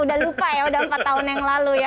udah lupa ya udah empat tahun yang lalu ya